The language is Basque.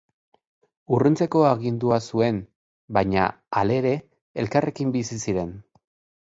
Urruntzeko agindua zuen, baina halere, elkarrekin bizi ziren.